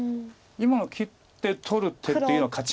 今の切って取る手っていうのは。